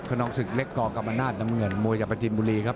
นองศึกเล็กกกรรมนาศน้ำเงินมวยจากประจินบุรีครับ